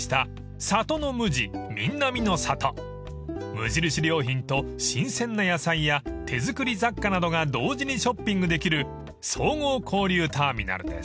［無印良品と新鮮な野菜や手作り雑貨などが同時にショッピングできる総合交流ターミナルです］